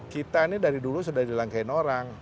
kita ini dari dulu sudah dilangkain orang